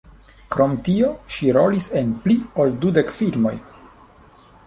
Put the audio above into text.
Krom tio ŝi rolis en pli ol dudek filmoj.